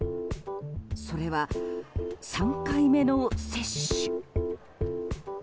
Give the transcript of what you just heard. それは、３回目の接種。